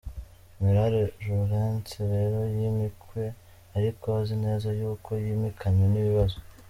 General Lourence rero yimikwe ariko azi neza yuko yimikanywe n’ibibazo !